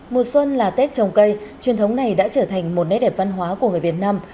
mùa xuân là tết trồng cây truyền thống này đã trở thành một nét đẹp văn hóa của người việt nam